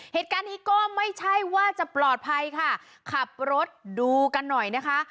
เหตุการณ์นี้ก็ไม่ใช่ว่าจะปลอดภัยค่ะขับรถดูกันหน่อยนะคะ